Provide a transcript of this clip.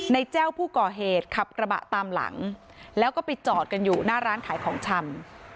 แจ้วผู้ก่อเหตุขับกระบะตามหลังแล้วก็ไปจอดกันอยู่หน้าร้านขายของชำ